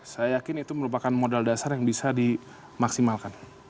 saya yakin itu merupakan modal dasar yang bisa dimaksimalkan